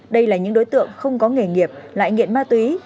đây là những đối tượng không có nghề nghiệp lại nghiện ma túy